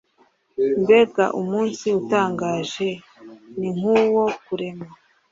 Mbega umunsi utangaje, Ni nk’ uwo kurema